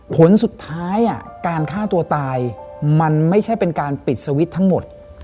ผลสุดท้ายการฆ่าตัวตายมันไม่ใช่เป็นการปิดสวิตช์ทั้งหมด